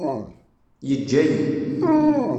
Yeǧǧa-yi.